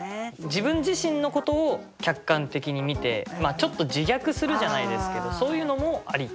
自分自身のことを客観的に見てちょっと自虐するじゃないですけどそういうのもあり？